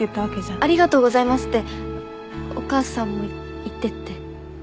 ありがとうございますってお母さんも言ってて。